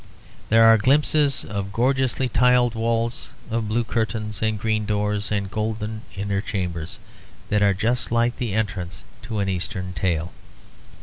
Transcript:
There are glimpses of gorgeously tiled walls, of blue curtains and green doors and golden inner chambers, that are just like the entrance to an Eastern tale.